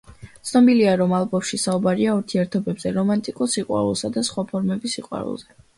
ცნობილია, რომ ალბომში საუბარია ურთიერთობებზე, რომანტიკულ სიყვარულსა და სხვა ფორმების სიყვარულზე.